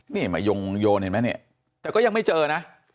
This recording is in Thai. นี่มาโยงโยนเห็นไหมเนี่ยแต่ก็ยังไม่เจอนะ